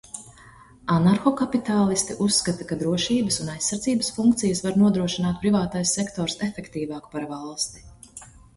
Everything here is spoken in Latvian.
Anarhokapitālisti uzskata, ka drošības un aizsardzības funkcijas var nodrošināt privātais sektors efektīvāk par valsti.